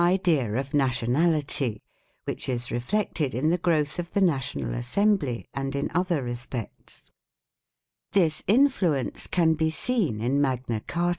MAGNA CARTA AND COMMON LAW 171 idea of nationality, which is reflected in the growth of the National Assembly and in other respects. 1 This influence can be seen in Magna Carta.